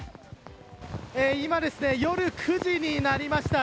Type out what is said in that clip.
今、夜９時になりました。